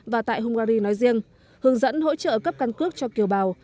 và tại hungary nói riêng hướng dẫn hỗ trợ cấp căn cước cho kiều bào